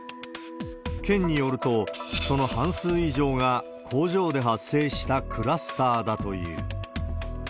県によると、その半数以上が工場で発生したクラスターだという。